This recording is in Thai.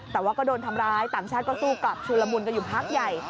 แต่ว่าก็โดนทำร้ายต่างชาติก็สู้กลับชุลมุนกันอยู่พักใหญ่